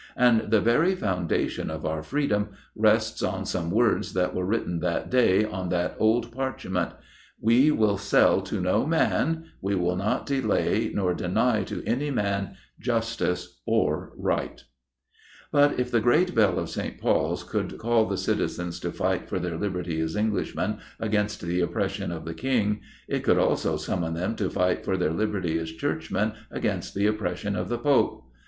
And the very foundation of our freedom rests on some words that were written that day on that old parchment: 'We will sell to no man, we will not delay nor deny to any man, justice or right.' But if the great bell of St. Paul's could call the citizens to fight for their liberty as Englishmen against the oppression of the King, it could also summon them to fight for their liberty as Churchmen against the oppression of the Pope.